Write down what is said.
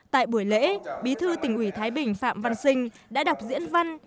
tại buổi lễ bí thư tỉnh ủy thái bình phạm văn sinh đã đọc diễn văn